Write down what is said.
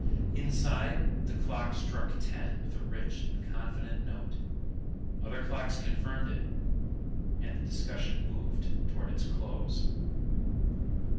Inside, the clock struck ten with a rich and confident note. Other clocks confirmed it, and the discussion moved towards its close.